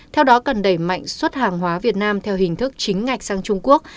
theo đó cần đẩy mạnh xuất hàng hóa việt nam theo hình thức chính ngạch sang trung quốc